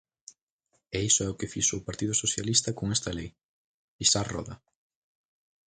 E iso é o que fixo o Partido Socialista con esta lei, pisar roda.